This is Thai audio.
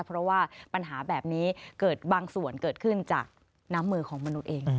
เพราะว่าปัญหาแบบนี้เกิดบางส่วนเกิดขึ้นจากน้ำมือของมนุษย์เอง